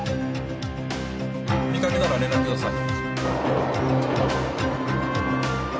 見かけたら連絡ください。